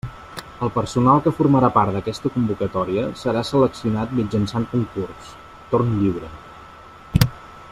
El personal que formarà part d'aquesta convocatòria serà seleccionat mitjançant concurs, torn lliure.